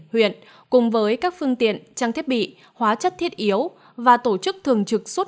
huyện cùng với các phương tiện trang thiết bị hóa chất thiết yếu và tổ chức thường trực suốt